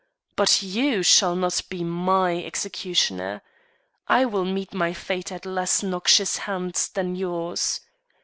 But you shall not be my executioner. I will meet my fate at less noxious hands than yours."